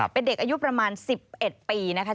เป็นเด็กอายุประมาณ๑๑ปีนะคะ